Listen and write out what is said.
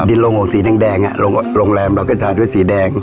ดินโรงโอ่งสีแดงแดงอ่ะโรงโรงแรมเราก็ใช้ด้วยสีแดง